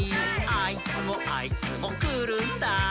「あいつもあいつもくるんだ」